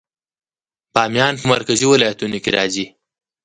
بامیان په مرکزي ولایتونو کې راځي